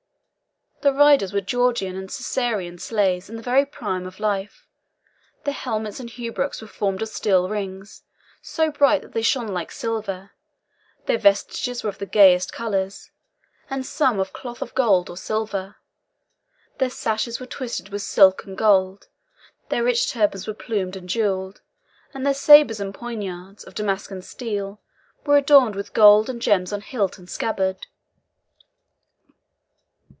The riders were Georgian and Circassian slaves in the very prime of life. Their helmets and hauberks were formed of steel rings, so bright that they shone like silver; their vestures were of the gayest colours, and some of cloth of gold or silver; the sashes were twisted with silk and gold, their rich turbans were plumed and jewelled, and their sabres and poniards, of Damascene steel, were adorned with gold and gems on hilt and scabbard.